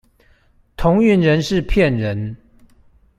同運人士騙人